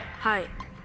はい。